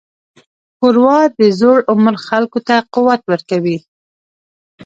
ښوروا د زوړ عمر خلکو ته قوت ورکوي.